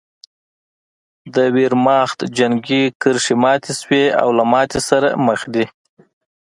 د ویرماخت جنګي کرښې ماتې شوې او له ماتې سره مخ دي